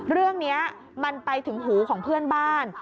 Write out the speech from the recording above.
เรื่องนี้มันไปถึงหูของเพื่อนบ้าน